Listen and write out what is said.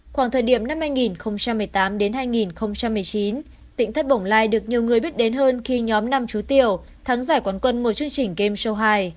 khoảng thời điểm năm hai nghìn một mươi tám đến hai nghìn một mươi chín tỉnh thất bồng lai được nhiều người biết đến hơn khi nhóm nam chú tiểu thắng giải quán quân một chương trình game show hai